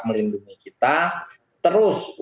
melindungi kita terus